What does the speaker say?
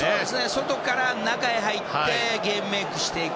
外から中へ入ってゲームメイクしていく。